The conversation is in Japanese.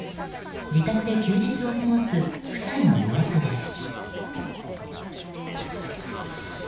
自宅で休日を過ごす夫妻の様子です。